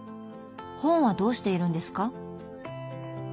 本はどうしているんですか？